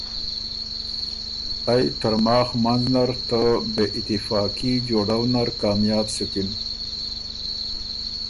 ائ ترماخ منځ نر ته بې اتفاقي جوړؤ نر کامیاب سُکِن۔